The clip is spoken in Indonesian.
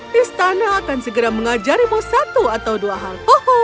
istana akan segera mengajarimu satu atau dua hal